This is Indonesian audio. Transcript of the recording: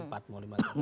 empat mau lima tahun